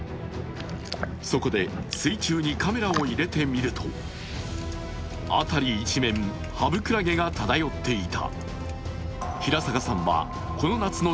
そこで、水中にカメラを入れてみると辺り一面、ハブクラゲが漂っていた。